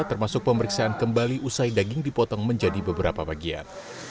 termasuk pemeriksaan kembali usai daging dipotong menjadi beberapa bagian